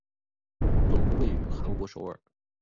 总部位于韩国首尔。